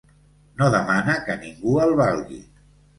No demana que ningú el valgui.